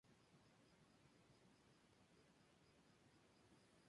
Toda la estación es accesible para personas con movilidad reducida.